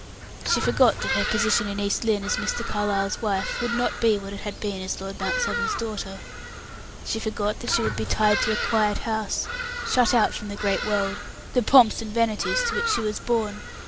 She forgot that her position in East Lynne as Mr. Carlyle's wife would not be what it had been as Lord Mount Severn's daughter; she forgot that she would be tied to a quiet house, shut out from the great world, the pomps and vanities to which she was born.